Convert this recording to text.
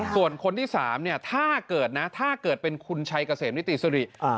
ส่วนคนที่๓เนี่ยถ้าเกิดนะถ้าเกิดเป็นคุณชัยเกษมนิติสุริ